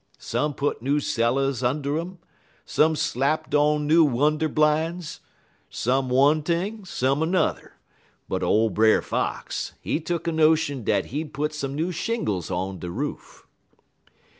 Some put new cellars und' um, some slapped on new winder blines, some one thing and some er n'er, but ole Brer Fox, he tuck a notion dat he'd put some new shingles on de roof.